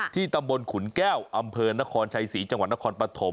ตำบลขุนแก้วอำเภอนครชัยศรีจังหวัดนครปฐม